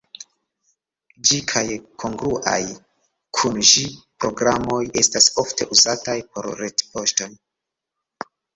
Ĝi kaj kongruaj kun ĝi programoj estas ofte uzataj por retpoŝto.